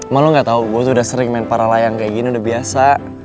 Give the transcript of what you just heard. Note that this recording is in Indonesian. mama lo gak tau gue tuh udah sering main para layang kayak gini udah biasa